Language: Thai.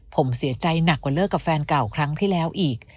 ผมเสียใจหนักกว่าเลิกกับแฟนเก่าครั้งที่แล้วอีก